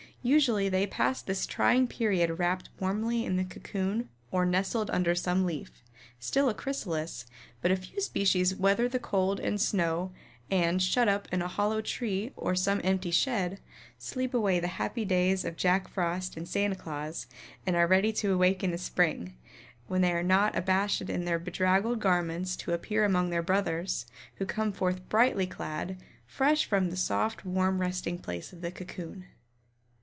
Usually they pass this trying period wrapped warmly in the cocoon or nestled under some leaf, still a Chrysalis; but a few species weather the cold and the snow and, shut up in some hollow tree or some empty shed, sleep away the happy days of Jack Frost and Santa Claus and are ready to awake with the spring, when they are not abashed in their bedraggled garments to appear among their brothers, who come forth brightly clad, fresh from the soft, warm resting place of the cocoon.